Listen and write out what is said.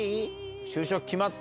就職決まった？